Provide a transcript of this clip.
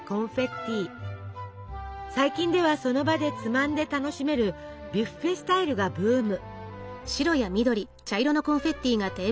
最近ではその場でつまんで楽しめるビュッフェスタイルがブーム。